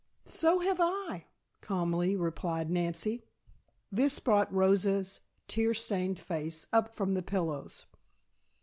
"So have I," calmly replied Nancy. This brought Rosa's tear stained face up from the pillows.